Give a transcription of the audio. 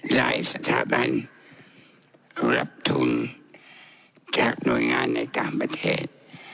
หลายสถาบันเขารับทุนจากหน่วยงานในต่างประเทศ